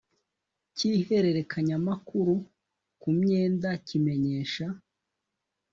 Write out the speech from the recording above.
cy ihererekanyamakuru ku myenda kimenyesha